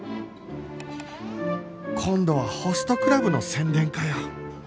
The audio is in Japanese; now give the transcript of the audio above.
今度はホストクラブの宣伝かよ